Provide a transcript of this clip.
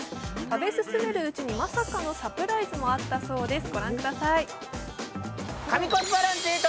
食べ進めるうちに、まさかのサプライズもあったそうです。